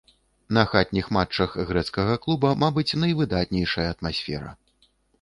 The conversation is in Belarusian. На хатніх матчах грэцкага клуба, мабыць, найвыдатнейшая атмасфера.